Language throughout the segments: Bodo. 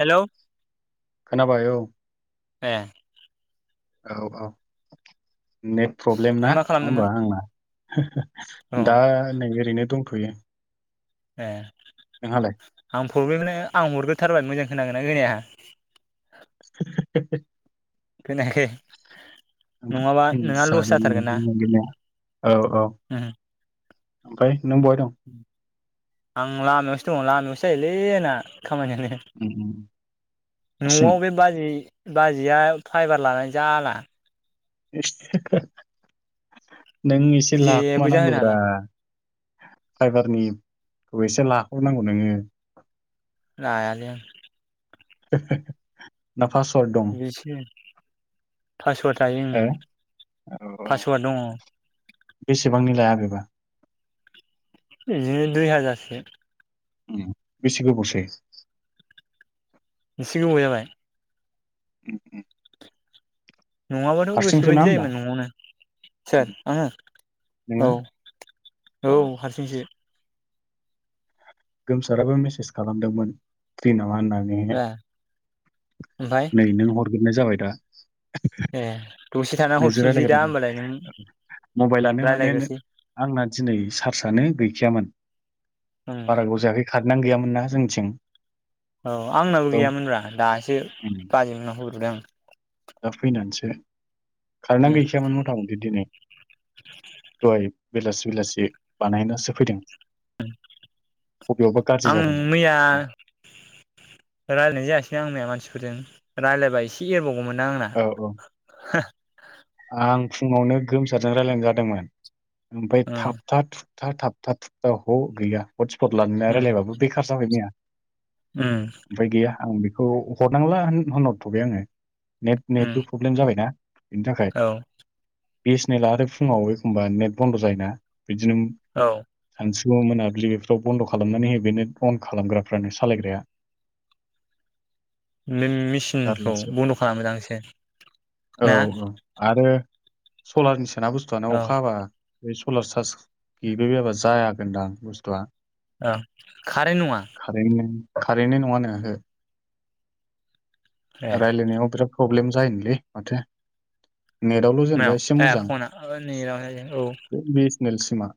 हेलौ खोनाबाय औ ए औ औ नेट प्रब्लेम नों ना मा नङा खालामदोंमोन होमबा आंना औ दा नै ओरैनो दंथ'यो ए नोंहालाय बेजोंनो आं हरग्रोथारबाय मोजां खोनागोना खोनाया [inaudible] खोनायाखै नङाबा नोंहा लस जाथारगोन ना जादोंनो औ औ उमहो ओमफ्राय नों बहानि? आं लामायावसो दङ लामायावसो जाहोलै जोंना खामानियानो उम, उम, हारसिं न'आव बे बाजै बाजैया फाइबार लानानै जाला नों एसे लाखुमा जेबो जाहोनो हाला नांगौब्रा फाइबारनिखौ एसे लाहरनांगौ नोङो लायालै आं [unintelligible] दं बिसो पासवार्ड थायो उम हो औ औ पासवार्ड दङ। बेसेबांनि लाया बेबा बिदिनो दुइ हाजारसो बेसे गोबावसै? एसे गोबाव जाबाय। [unintelligible] नङाबाथ' हारसिंसो ना गोसोबायदि होमबा जायोमोन न'आवनो उम, सोर आङो नोङो औ औ हारसिंससो गोमसाराबो मेसेज खालामदोंमोन फ्रि मा होनना बुंनो ए ओमफ्राय नै नों हरगोरनाय जाबाय दा एह नोंजो रायलायग्रोदों मबाइलानो माने रायज्लायग्रोसै आंना दिनै सार्सआानो गैखायामोन ओं बारा गोाव जायाखै खार नानो गैयामोन ना जोंनिथिं औ आंनाबो एकदम गैया मोनब्रा दासो उम, बाजै मोननाव होब्रबदों आं दा फैनानैसो आं खारेनानै गैसामोन मथा मथि दिनै दहाय बेलासि बेलासि बानायनासो फैदों। बबेयावबा गाज्रि आं जादोंमोन मैया दां। रायलायनाय जायासै बे आंनिया मानसिफोरजों रायलायबा एसे एरबावगौमोनदां आंना औ औ आं फुङावनो गोमसारजों रायलायनाय जादोंमोन ओमफ्राय ओं थाबथा थुब था थाबथा थुबथा ह गैया हटस्पट लानानै उम रायलायबाबो बेखार जाबाय मैया। उम ओमफाय गैया आं बेखौ हरनांला होनहरथ'बाय आङो नेट उम नेटबो प्रब्लेम जाबायना बेनि थाखाय औ बि सेनेलआ आरो फुङाव एखमबा नेट बन्द' जायोना बिदिनो औ सानसु मोनाब्लि बेफोराव बन्द' खालामनानै हो बेनो अन खालामग्राफ्रानो सालायग्राया नों मेचिनखौ जारलासो बन्द' खालामो दां एसे औ औ आरो सलारनि सोना बुस्थुआनो औ अखा हाबा बे सलार चार्ज गैबायबायाबा जागोनदां बुस्थुआ ओ खारेथ नङा खारेथनि नङा नो ओहो ए रायलायनायाव बिराद प्रब्लेम जायोनोलै माथो नेटआवल' जेनेबा मायाव एसे ए मोजां फना नेटाव औ बे निल सिमा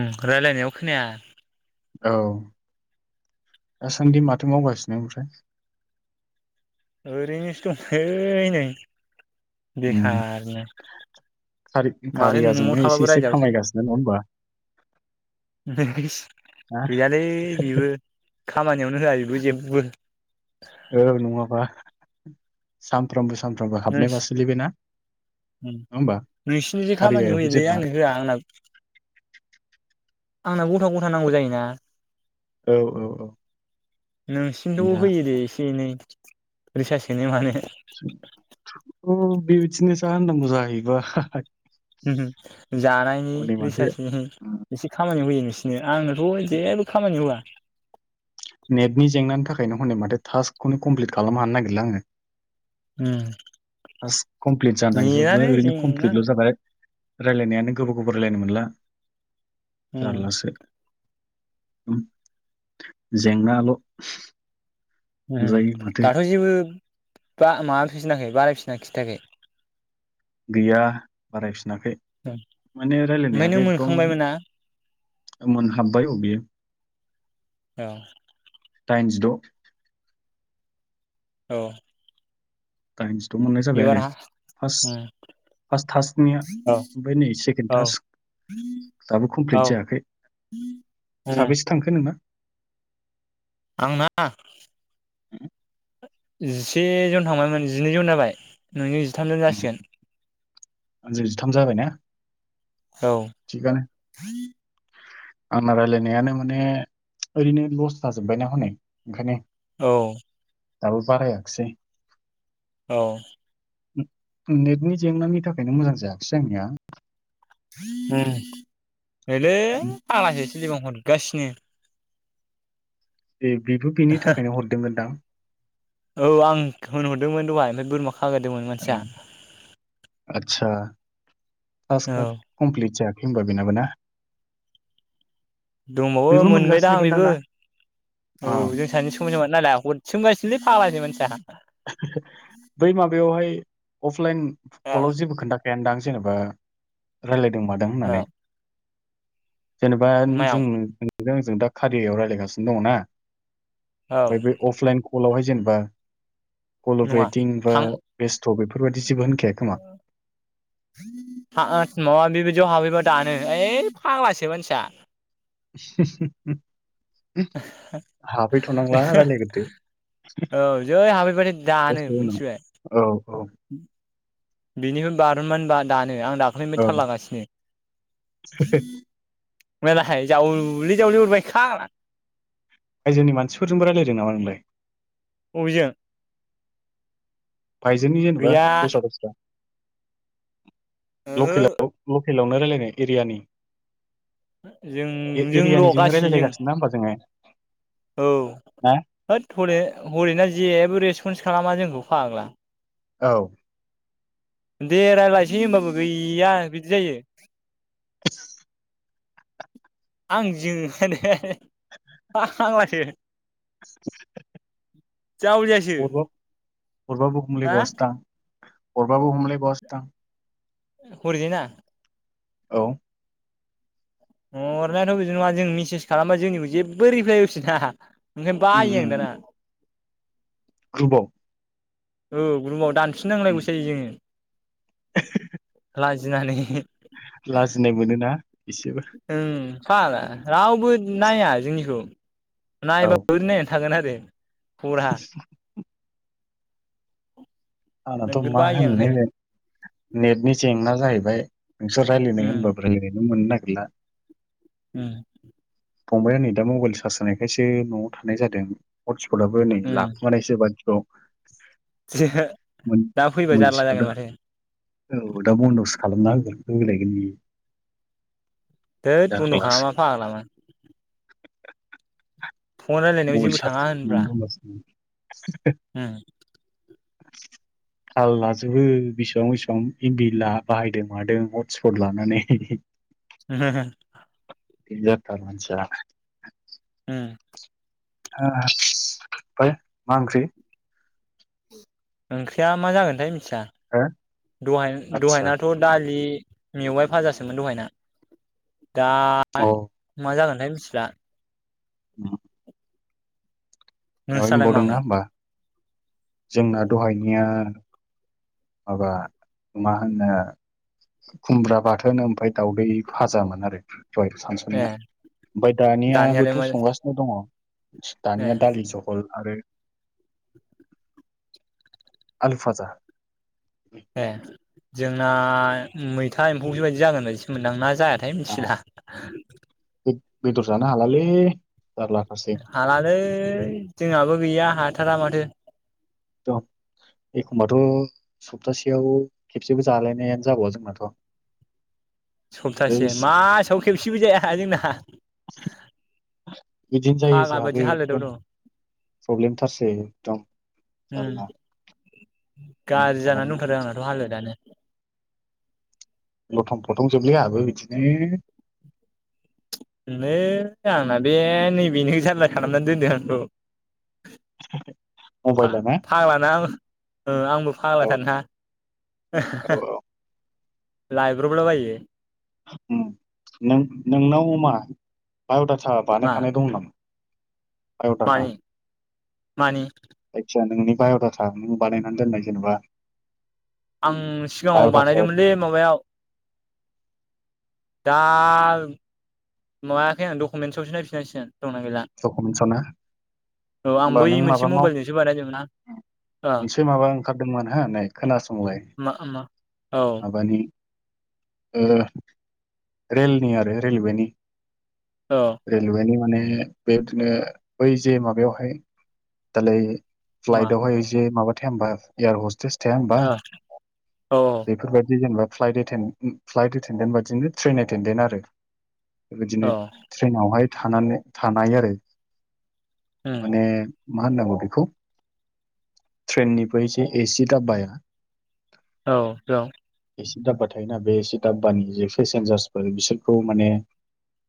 उम रायलायनायाव खोनाया औ दासान्दि माथो मावगासिनो ओमफ्राय? ओरैनोसो दं ओइ नै बेखारनो खारि माथो न'आव खारियाजोंनो थाबाबो एसे एसे रायजाबाय थायो खामायगासिनो नङा होमबा? ना गैयालै बेबो खामानियावनो होआ बेबो जेबो। औ नङाबा सामफ्रामबो सामफ्रामबो हाबनाय बा सोलैना? नोंसिनि जों खामानि होयोलै जेनेबा आंनो होआ आंना [inaudible] आंना ग'था ग'था नांगौ जायोना। औ औ औ नोंसिनथ' गैया होयो दे एसे एनै रिसास सोनो मानो। [inaudible] अ' बेबिदिनो जा होननांगौ जाहैबाय। जानायनि माथो रिसारसनि एसे खामानि होयो नोंसिनो। आंनो थ' जेबो खामानिआव होआ। नेटनि जेंनानि थाखायनो हनै माथो टास्कखौनो कमप्लिट खालामनो हानो नागिरला आङो। टास कमप्लिट जानोगिरबाबो नेटानो ओरैनो जेंना कमप्लिटल' जाबाय। रायलायनायानो गोबाव गोबाव रायलायनो मोनला जारलासो। जेंनाल' उम नुजायो माथो दाथ' जेबो बा माफिनाखै बारायफिननाय खिथायाखै? गैया बारायफिनाखै माने ओमफ्राय नों रायलायनायाबो मोनखांबायमोन ना एकदम मोनहाबबाय अ' बेयो। औ दाइनजिद' औ गांसेथ' मोननाय जाबाय आरो एबार फास। फास टासनिया औ ओमफाय नै सेकेनड औ टास। दाबो कमप्लिट औ जायाखै साबेसे थांखो नोंना? आं ना? उम जिसे जन थांबायमोन जिनैजन जाबाय नोंनि जिथामजन जासिगोन। आंजों जिथाम जाबाय ना? औ आंना रायलायनायानो माने ओरैनो लस जाजोबबायना हनै ओंखायनो औ दाबो बाराया खिसै। औ नेटनि जेंनानि थाखायनो मोजां जायाखिसै आंनिया। उम नैलै फाग्लासो सोलिबा हरगासिनो। दे बेथ' बिनि थाखायनो हरदों मोनदां? औ आं होनहरदोंमोन दहाय ओमफाय बोरमा खाग्रोदोंमोन मानसिया। औ आदसा औ टास्कआ कमप्लिट जायाखै होमबा बेनाबो ना? दंबावो बेबो मोनबायदां मोनगासिनो खोन्दां बेबो। ना अ औ जों सानै जों समान समान नालाया हरसोम गासिनोलै फाग्लासो मानसिया। बै माबायावहाय अफलाइन कलाव जेबो खोन्थाखायानो दां जेनेबा रायलाय दों मादों होननानै। मायाव जेनेबा जों मायाव नोंजों आंजों दा कारियायाव रायलायगासिनो दङना? औ ओमफाय बे अफलाइन कलावहाय जेनेबा कलबेटिं बा बेस्थ' बेफोर हा आथ माबा बेबायदियाव हाबहैबा दानो। ओइ फाग्लासो मानसिया। हाबहैथ'नांला रायलायग्रोदो। औ जै हाबहै बाथाय दानो दसे उनाव मिनथिबाय। औ औ बिनिफ्राय बार'न मान बा दा ए आं दाख्लैनिफ्राय औ थाललागासिनो। मलाहाय जावलि जावलि हर आयजोनि मानसिफोरजोंबो रायलायदों नामा नोंलाय बबेजों फाइजोनि जेनेबा गैया [unintelligible] ओहो लकेलाव-लकेलावनो रायलायनाय एरियानि जों जोंल' ए-एरियानिजोंनो गासैजों रायलायलायगासिनो ना होमबा जोङो [unintelligible] खालामा जोंखौ [unintelligible] औ दे रायलायसै होमबाबो गैया बिदि जायो [inaudible] आं [inaudible] [inaudible] जावलियासो अरबा अरबाबु हमलाय हा बावासो दां अरबाबु हमलाय बावासोदां हरैजायना औ [unintelligible] बेदि नङा जों मिसेज खालामबा जोंनिखौ जेबो रिप्लाय होफिना [unintelligible] बायो आं दाना ग्रुुबाव ओ रुमाव दानफिननांलायगौ [unintelligible] लाजिनानै लाजिनाय मोनोना एसेबो [unintelligible] बो नाया जोंनिखौ औ [unintelligible] आंनाथ' नोगोद मा बायो आं ओंखायनो होननो नेटनि जेंना जाहैबाय नोंसोर रायलायनो उम होनबाबो रायलायनोनो मोननो नागिरला उम फंबाया नै दा मबाइल चार्ज जानायखासो न'आव थानाय जादों [unintelligible] फदाबो नै उम लाखुमानायसो [unintelligible] [unintelligible] औ दा फैबा जारला जागोन माथो दा बन्द'सो खालामना होगोन होलायगोन बि [unintelligible] फन [unintelligible] रायलायनायाव थाल जेबो थाङा होनब्रा उम लाजोबो बेसेबां बेसेबां इमबिला बाहायदों मादों हट स्पट लानानै [inaudible] [unintelligible] [unintelligible] [unintelligible] फाय मा ओंख्रि ओंख्रिया मा जागोनथाय मिथिया हो आदसा दहाय-दहायनाथ' दालि मेवाय भाजासोमोन दहायना दा अ मा जागोनथाय मिथिला मेवाय नोंस्रालाय मोबावदोंना मामोन होमबा जोंना दहायनिया माबा मा होनो खुमब्रा बाथोन ओमफाय दावदै फाजामोन आरो दहाय ए सानसुनिया ओमफाय दानियालाय दानियाबोथ' मा संगासिनो दङ ए दानिया दालि जहल आरो आलु फाजा ए जोंना मैथा एम्फौ बेबायदि जागोन बायदिसो मोनदो आं ना जायाथाय मिथिला बेदर जानो हालालै जारलाथारसै हालालै जोंहाबो गैया हाथारा माथो द एखमबाथ' सप्तासेयाव खेबसेबो जालायनायानो जाबावा जोंनाथ' [inaudible] सप्तासे मासाव खेबसेबो जाया जोंना बिदिनो जायो फाग्ला बायदि जोंहाबो हालोदाव एखदम दं प्रब्लेमथारसै एकदम उम जारला मा गाज्रि जानानै खालामनो दंथारो आंनाथ' हालोदानो लथं फथं जोबलै आंहाबो बिदिनो नै आंना बे नैबेनो जारला खालामनानै दोनदो आंखौ। आ फा-फाग्लानां ओ आंबो औ फाग्लाथार ना औ [unintelligible] औ लाइब्रब ला बायो नों नोंनाव मा बाय'डाथा मा बानायखानाय दं नामा? बाय'डाटा मानि मानि जायखिजाया नोंनि बाय'डाथा नों बानायनानै दोननाय जेनेबा आं सिगाङाव बाय'डाटाया बानायदोंमोनलै माबायाव दा माबायाखै आं डकुमेन्टसावसो नायफिननांसिगोन। दंना गैला डक'मेन्टसाव ना औ आं होमबा बै नों मोनसे माबा माव मबाइलजोंसो बानायदोमोन ना ओ मोनसे माबा ओंखारदोंमोन हो नै खोनासंलाय मा मा औ माबानि ओ रेलनि आरो रेलवेनि। औ रेलवेनि माने बेबायदिनो बै जे माबायावहाय दालाय मा फ्लाइटावहाय जे माबा थाया होनबा एयार हस्टेस थाया होनबा ओ औ बेफोरबायदि जेनेबा फ्लाइट एटेनड एटेनडेन्ट बादिनो ट्रेन एटेडेन्ट आरो बेबायदिनो औ ट्रेनावहाय थानानै थानाय आरो उम माने मा होननांगौ बेखौ ट्रेननिफ्राय जे एसि दाबाया औ जं एसे दाब्बा थायो ना बे एसे दाब्बानि जे पेसेन्जार्सफोर बिसोरखौ माने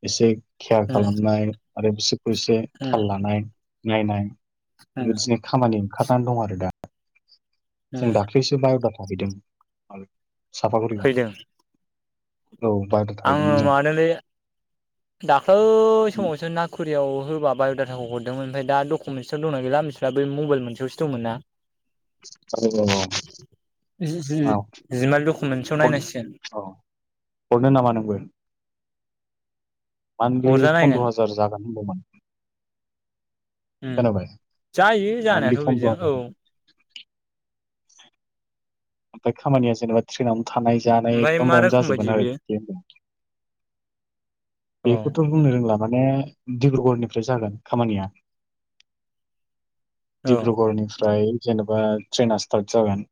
एसे केयार उम खालामनाय आरो बिसोरखौ एसे उम थाल लानाय नायनाय उम बेबायदिनो खामानि ओंखारनानै दं आरो दा। जों उम दाख्लैसो बाय'डाटा हैदों साफागुरियाव औ फैदों दाथ' बाय' डाटा आङो हैदोमोन जों। माबादोंलै दाख्लै समावसो ना पुकुरियाव होबा बाय'डाटाखौ हरदोंमोन ओमफ्राय दाडकुमेन्टसाव दं ना गैला मिथिला। बे मबाइल मोनसेयावसो दंमोन ना। औ औ औ। जि-जि-जिमाल डकुमेन्टसाव नायनांसिगोन। औ हरनो नामा नोंबो मान्थलि हरजा नायगोन पन्द्र' हाजार जागोन होनदोमोन। उम जायो मान्थलि जानायाथ' फन्द्र' बिदिजों हाजार औ। ओमफाय खामानिया जेनेबा ट्रेनावनो थानाय जानाय ओमफ्राय मा एखदमबावनो रोखोम बायदि जाजोबगोन आरो बियो बिदि होनदों। औ बेखौथ' बुंनो रोंला। माने डिब्रुगड़निफ्राय जागोन खामानिया। औ डिब्रुगड़निफ्राय जेनेबा ट्रेना स्टार्ट जागोन।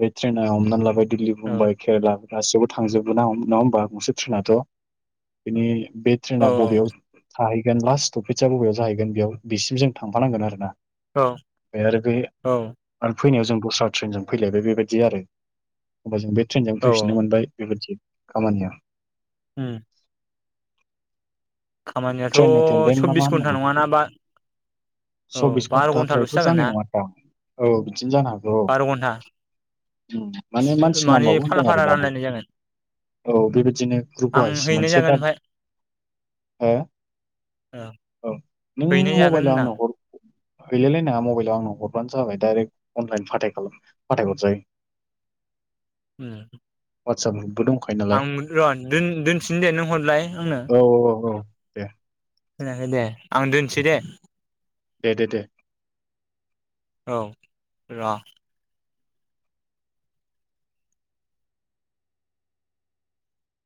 बे ट्रेना हमनानै लाबाय दिल्ली, औ मुमबाइ, केरेला गासैयावबो थांजोबगोना नङा होमबा गंसे ट्रेनाथ'। औ बिनि बे ट्रेना बबेयाव थाहैगोन लास्ट स्टपेजआ बबेयाव जाहैगोन बेयाव बेसिम जों थांफानांगोन आरो ना। औ ए आरो बै औ आरो फैनायाव जों दस्रा ट्रेनजों फैलायबाय बेबायदि आरो होमबा जों बे ट्रेनजों औ फैफिननो मोनबाय बेबायदि खामानिया। उम। खामानियाथ' ट्रेननि तेन्देन ना मा सब्बिस घन्टा होननांगौ नङाना बेखौ बा औ सब्बिस बार' घन्टाल'सो घन्टाद्रायथ' जागोन ना जानाय नङा दां। औ बिदिनो जानो हागौ औ। बार' घन्टा उ माने मानसि माने नामबावगौ फाला होनदों आरो फाला दाबो। रानलायनाय जागोन औ बेबायदिनो ग्रुप आं वाइस हैनाय मोनसे जागोन दा ओमफाय हो। औ ओ नों हैनाय जागोन मबाइलाव होनदां आंनाव हर। हैलाय लायनाडा मबाइलाव आनो हरबानो जाबाय दायरेग अनलाइन फाटाइ खालाम फाथाय हरजायो। [inaudible] ओम आतसा आं मोनर' दोन दोनफिन दे नों हरलाय आंनो। औ औ औ दे होनाखै दे आं दोनसै दे। दे दे दे औ र'